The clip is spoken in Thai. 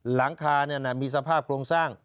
หลังคามีสภาพโครงสร้าง